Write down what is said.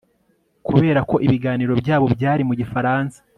kubera ko ibiganiro byabo byari mu gifaransa